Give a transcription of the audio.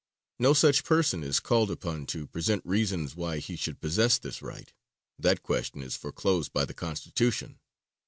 No such person is called upon to present reasons why he should possess this right: that question is foreclosed by the Constitution.